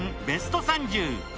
ベスト３０！